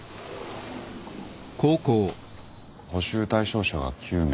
補習対象者は９名。